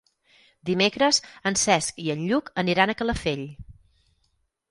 Dimecres en Cesc i en Lluc aniran a Calafell.